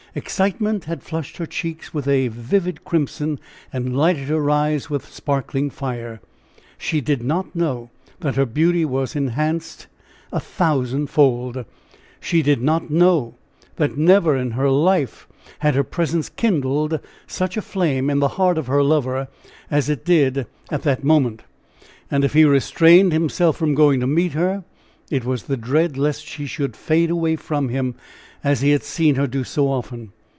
Excitement had flushed her cheeks with a vivid crimson and lighted her eyes with sparkling fire she did not know that her beauty was enhanced a thousand fold she did not know that never in her life had her presence kindled such a flame in the heart of her lover as it did at that moment. And if he restrained himself from going to meet her, it was the dread lest she should fade away from him as he had seen her do so often.